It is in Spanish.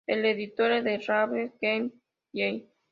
El editor es Lawrence M. Kelly.